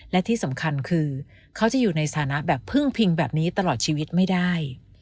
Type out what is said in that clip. และที่สำคัญคือเขาจะอยู่ในสถานะแบบพึ่งพิงแบบนี้ตลอดชีวิตไม่ได้